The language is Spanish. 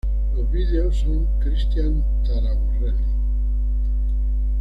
Los vídeos son Cristian Taraborrelli.